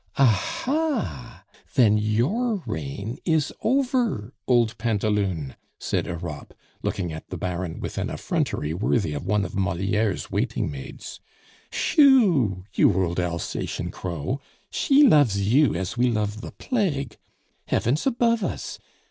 "Ah, ha! Then your reign is over, old pantaloon!" said Europe, looking at the Baron with an effrontery worthy of one of Moliere's waiting maids. "Shooh! you old Alsatian crow! She loves you as we love the plague! Heavens above us!